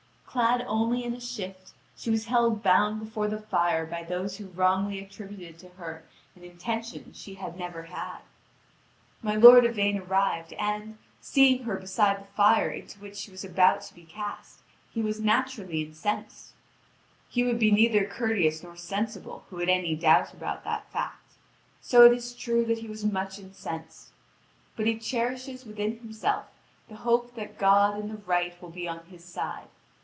Clad only in a shift, she was held bound before the fire by those who wrongly attributed to her an intention she had never had. My lord Yvain arrived, and, seeing her beside the fire into which she was about to be cast, he was naturally incensed. He would be neither courteous nor sensible who had any doubt about that fact. So it is true that he was much incensed; but he cherishes within himself the hope that God and the Right will be on his side.